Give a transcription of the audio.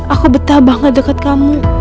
aku betah banget dekat kamu